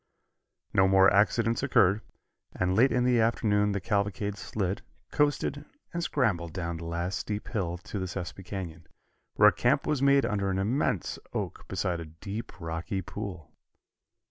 No more accidents occurred, and late in the afternoon the cavalcade slid, coasted and scrambled down the last steep hill into the Sespe Canyon, where a camp was made under an immense oak beside a deep, rocky pool.